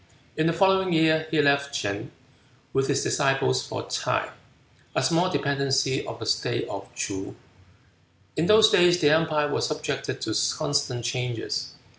In the following year he left Ch'in with his disciples for Ts'ae, a small dependency of the state of Ts'oo. In those days the empire was subjected to constant changes.